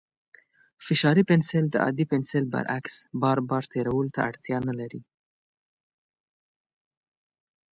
فشاري پنسل د عادي پنسل برعکس، بار بار تېرولو ته اړتیا نه لري.